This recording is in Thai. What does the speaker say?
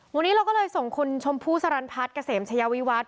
วันนี้เราก็เลยส่งคุณชมภูร์สรรพัฒน์กระเสมชยวิวัฒน์